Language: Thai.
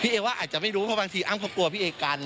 เอว่าอาจจะไม่รู้เพราะบางทีอ้ำเขากลัวพี่เอกัน